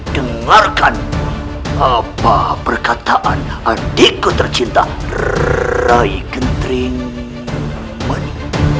dengarkan apa perkataan adikku tercinta rai gentrimani